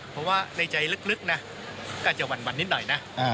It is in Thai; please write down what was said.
เพราะว่าในใจลึกนะก็อาจจะหวั่นนิดหน่อยนะ